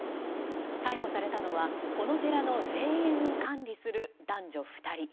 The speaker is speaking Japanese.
逮捕されたのは、この寺の霊園を管理する男女２人。